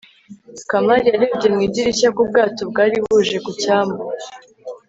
kamali yarebye mu idirishya ku bwato bwari buje ku cyambu